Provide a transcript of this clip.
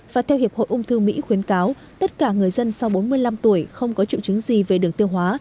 và theo hiệp hội ung thư mỹ khuyến cáo tất cả người dân sau bốn mươi năm tuổi không có triệu chứng gì về đường tiêu hóa